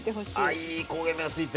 あいい焦げ目がついて。